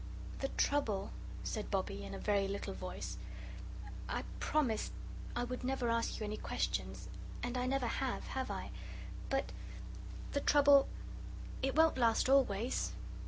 "The trouble," said Bobbie, in a very little voice "I promised I would never ask you any questions, and I never have, have I? But the trouble it won't last always?"